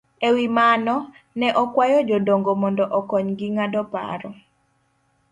E wi mano, ne okwayo jodongo mondo okonygi ng'ado paro